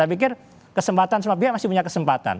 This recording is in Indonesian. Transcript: saya pikir kesempatan semua pihak masih punya kesempatan